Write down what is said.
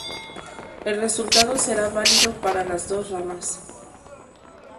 El resultado será válido para las dos ramas.